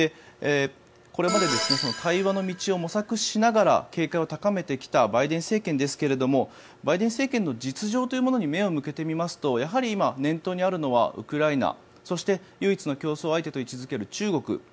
これまで対話の道を模索しながら警戒を高めてきたバイデン政権ですがバイデン政権の実情というものに目を向けてみますとやはり今、念頭にあるのはウクライナそして、唯一の競争相手と位置付ける中国。